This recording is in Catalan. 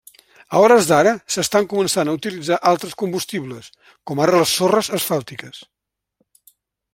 A hores d'ara, s'estan començant a utilitzar altres combustibles, com ara les sorres asfàltiques.